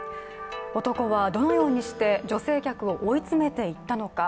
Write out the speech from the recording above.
男はどのようにして女性客を追い詰めていったのか。